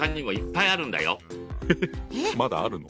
まだあるの？